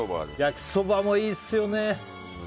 焼きそばもいいですよね。